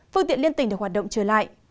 phương tiện liên tình được hoạt động trở lại